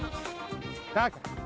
タカ